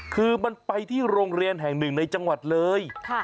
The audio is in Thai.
คือมันไปที่โรงเรียนแห่งหนึ่งในจังหวัดเลย